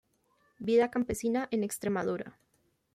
Vida campesina en Extremadura.